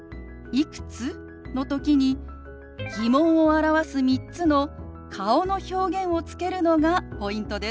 「いくつ？」の時に疑問を表す３つの顔の表現をつけるのがポイントです。